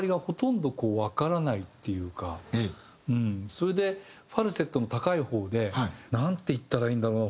それでファルセットの高い方でなんて言ったらいいんだろうな